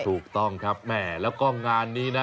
ถูกต้องครับแม่แล้วก็งานนี้นะ